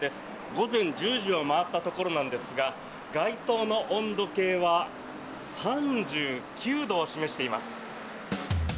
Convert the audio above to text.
午前１０時を回ったところなんですが街頭の温度計は３９度を示しています。